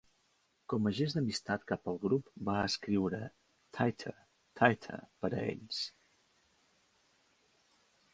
Com a gest d'amistat cap al grup, va escriure "Tighter, Tighter" per a ells.